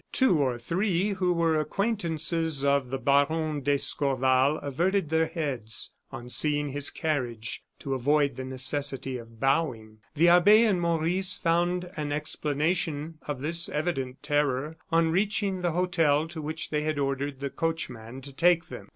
Two or three who were acquaintances of the Baron d'Escorval averted their heads, on seeing his carriage, to avoid the necessity of bowing. The abbe and Maurice found an explanation of this evident terror on reaching the hotel to which they had ordered the coachman to take them.